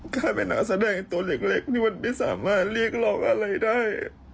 การเป็นนักแสดงตัวเล็กนี่มันไม่สามารถเรียกร้องอะไรได้